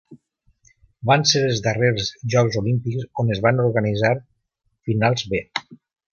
Van ser els darrers Jocs Olímpics on es van organitzar finals B.